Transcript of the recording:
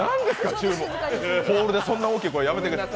ホールでそんな大きい声やめてください。